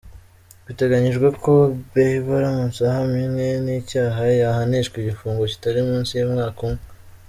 Biteganyijwe ko Beiber aramutse ahamwe n’icyaha yahanishwa igifungo kitari munsi y’umwaka umwe.